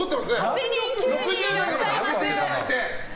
８人、９人いらっしゃいます。